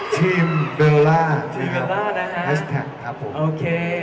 ทีมเดอร์ล่าแฮสแท็ก